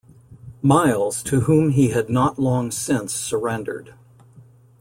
Miles to whom he had not long since surrendered.